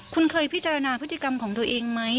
คุณเคยพิจารณาพฤติกรรมของตัวเองไหม